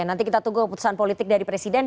nanti kita tunggu keputusan politik dari presiden